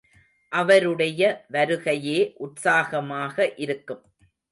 அவருடைய வருகையே உற்சாகமாக இருக்கும்.